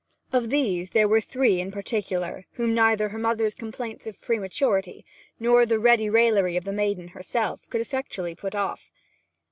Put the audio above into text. Of these there were three in particular, whom neither her mother's complaints of prematurity, nor the ready raillery of the maiden herself, could effectually put off.